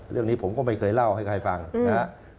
เรื่องนี้ผมก็ไม่เคยเล่าให้ใครฟังนะครับ